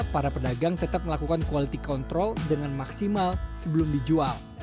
para pedagang tetap melakukan quality control dengan maksimal sebelum dijual